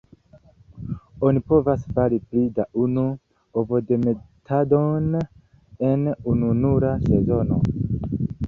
Oni povas fari pli da unu ovodemetadon en ununura sezono.